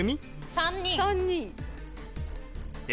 ３人。